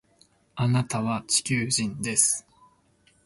あなたは地球人です